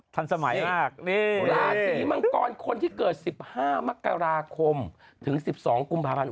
ทันสมัยมากราศีมังกรคนที่เกิด๑๕มกราคมถึง๑๒กุมภาพันธ์